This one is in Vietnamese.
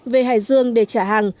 về hải dương để trả hàng